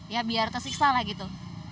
ya biar tersiksa lah gitu